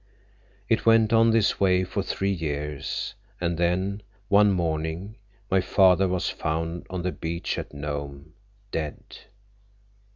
It went on this way for three years, and then, one morning, my father was found on the beach at Nome, dead."